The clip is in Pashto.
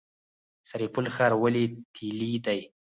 سرپل ښار ولې تیلي دی؟